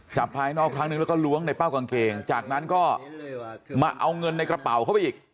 ภายนอกครั้งนึงแล้วก็ล้วงในเป้ากางเกงจากนั้นก็มาเอาเงินในกระเป๋าเข้าไปอีก